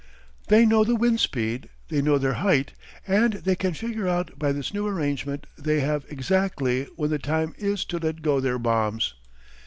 They know the wind speed, they know their height, and they can figure out by this new arrangement they have exactly when the time is to let go their bombs.